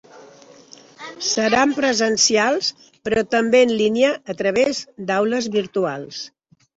Seran presencials, però també en línia a través d’aules virtuals.